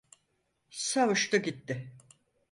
Savuştu gitti...